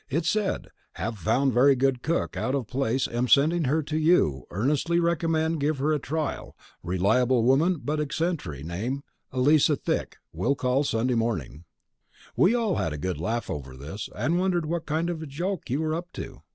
It said: _Have found very good cook out of place am sending her to you earnestly recommend give her a trial reliable woman but eccentric name Eliza Thick will call Sunday morning_. Well, we all had a good laugh over this, and wondered what kind of a joke you were up to.